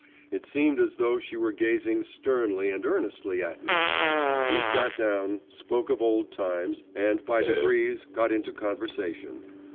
It seemed as though she were gazing sternly and earnestly at me. We sat down, spoke of old times, and by degrees got into conversation.